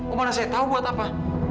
oh mana saya tahu buat apa